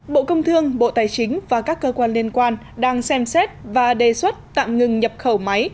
bộ công thương bộ tài chính và các cơ quan liên quan đang xem xét và đề xuất tạm ngừng nhập khẩu máy